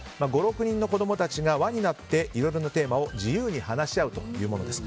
５６人の子供たちが輪になって、いろいろなテーマを自由に話し合うというものです。